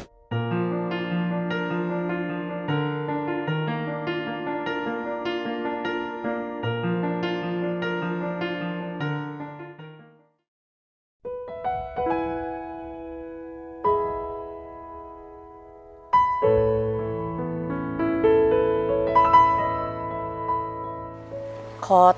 กับเป้าหมาย